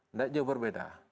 tidak jauh berbeda